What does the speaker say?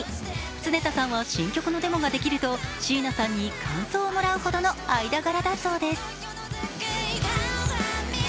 常田さんは新曲のデモができると椎名さんに感想をもらうほどの間柄だそうです。